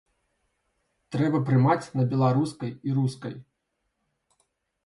Трэба прымаць на беларускай і рускай!